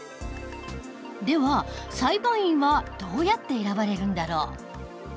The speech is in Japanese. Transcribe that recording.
では裁判員はどうやって選ばれるんだろう？